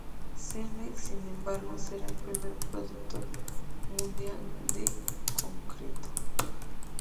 Cemex, sin embargo, será el primer productor mundial de concreto.